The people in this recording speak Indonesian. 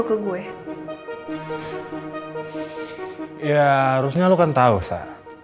ya harusnya lo kan tau sar